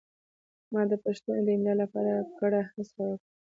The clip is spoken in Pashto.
ما د پښتو د املا لپاره کره هڅه وکړه.